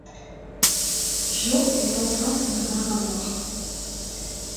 Jo est enceinte d'un marin noir.